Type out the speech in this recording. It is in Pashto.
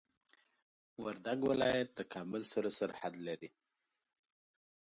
وردګ ولايت د کابل سره سرحد لري.